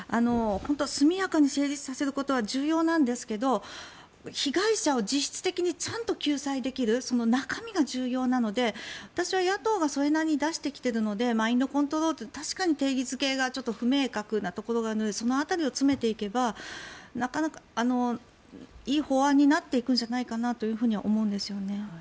速やかに成立させることは重要なんですけど被害者を実質的にちゃんと救済できる中身が重要なので、私は野党がそれなりに出してきているのでマインドコントロール、確かに定義付けが不明確なところがあるその辺りを詰めていけばいい法案になっていくんじゃないかと思うんですよね。